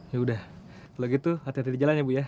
yaudah setelah gitu hati hati di jalan ya bu ya